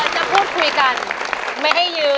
สวัสดีครับพี่เก๋